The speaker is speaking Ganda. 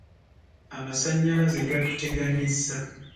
Amasannyalaze gatuteganyiza.